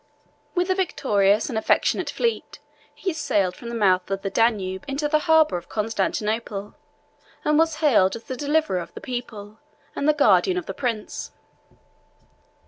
With a victorious and affectionate fleet, he sailed from the mouth of the Danube into the harbor of Constantinople, and was hailed as the deliverer of the people, and the guardian of the prince.